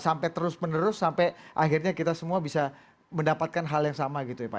sampai terus menerus sampai akhirnya kita semua bisa mendapatkan hal yang sama gitu ya pak